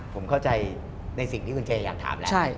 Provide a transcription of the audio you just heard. ผมเข้าใจในสิ่งที่คุณเจอยากถามแล้ว